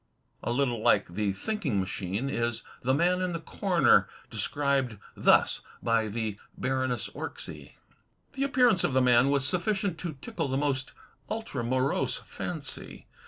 A little like "The Thinking Machine" is "The Man in the Corner," described thus by the Baroness Orczy: The appearance of the man was sufficient to tickle the most ultramorose fancy.